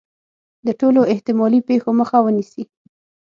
د ټولو احتمالي پېښو مخه ونیسي.